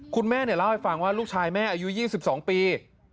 คุณแม่เล่าให้ฟังว่าลูกชายแม่อายุ๒๒ปี